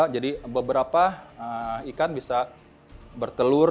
jadi beberapa ikan bisa bertelur